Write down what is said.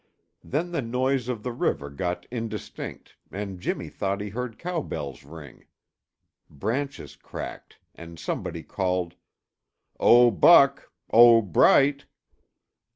Then the noise of the river got indistinct and Jimmy thought he heard cow bells ring. Branches cracked and somebody called, "Oh, Buck! Oh, Bright!"